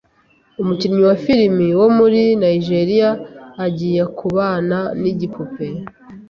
Umukinyi wa filime wo muri Nigeria agiye kubana n'igipupe